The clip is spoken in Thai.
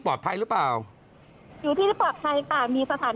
ขออนุญาตนะคะครับที่โดนทางต้นด้านนี้เนี่ย